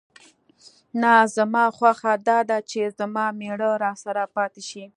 نه، زما خوښه دا ده چې زما مېړه راسره پاتې شي.